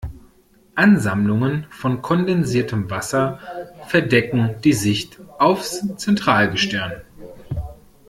Ansammlungen von kondensiertem Wasser verdecken die Sicht aufs Zentralgestirn.